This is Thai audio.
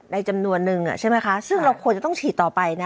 จำนวนนึงใช่ไหมคะซึ่งเราควรจะต้องฉีดต่อไปนะ